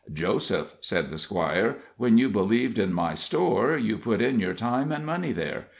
"Joseph," said the Squire, "when you believed in my store, you put in your time and money there.